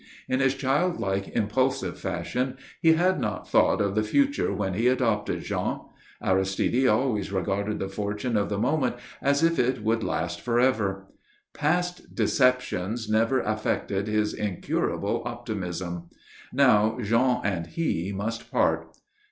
In his childlike, impulsive fashion he had not thought of the future when he adopted Jean. Aristide always regarded the fortune of the moment as if it would last forever. Past deceptions never affected his incurable optimism. Now Jean and he must part.